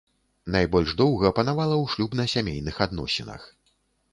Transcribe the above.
Найбольш доўга панавала ў шлюбна-сямейных адносінах.